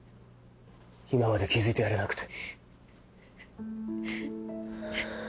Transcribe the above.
今まで気付いてやれなくて。